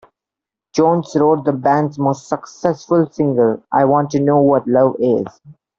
Jones wrote the band's most successful single, "I Want to Know What Love Is".